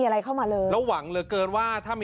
หาวหาวหาวหาวหาวหาวหาวหาว